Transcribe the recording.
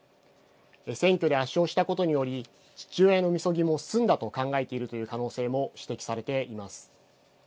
選挙で圧勝したことにより父親の、みそぎも済んだと考えているという可能性も指摘されています。